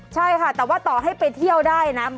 ใช่ค่ะแต่ว่าต่อให้ไปเที่ยวได้นะ